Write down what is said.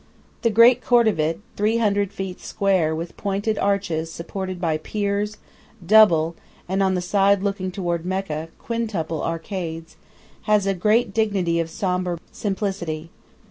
The great court of it, three hundred feet square, with pointed arches supported by piers, double, and on the side looking toward Mecca quintuple arcades, has a great dignity of sombre simplicity.